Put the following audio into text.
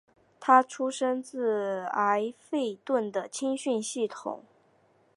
他出身自埃弗顿的青训系统。